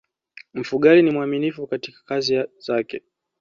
mfugale ni mwaminifu katika kazi zake